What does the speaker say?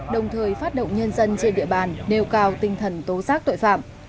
đồng thời phát động nhân dân trên địa bàn nêu cao tinh thần tố giác tội phạm